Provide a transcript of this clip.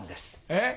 えっ。